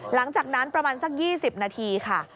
หลังจากนั้นประมาณสัก๒๐นาทีค่ะ